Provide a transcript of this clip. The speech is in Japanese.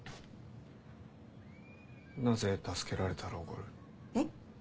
なぜ助けられたらおごる？え？